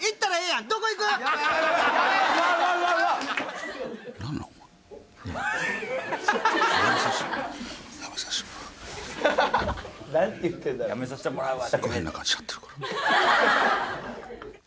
「やめさせてもらうわ」って言え。